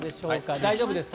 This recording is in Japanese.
大丈夫ですか？